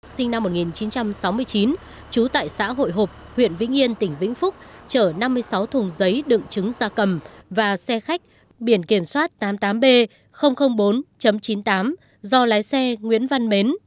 sinh năm một nghìn chín trăm sáu mươi chín trú tại xã hội hộp huyện vĩnh yên tỉnh vĩnh phúc chở năm mươi sáu thùng giấy đựng trứng gia cầm và xe khách biển kiểm soát tám mươi tám b bốn chín mươi tám do lái xe nguyễn văn mến